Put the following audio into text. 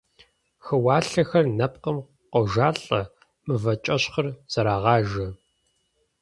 Хыуалъэхэр нэпкъым къожалӀэ, мывэкӀэщхъыр зэрагъажэ.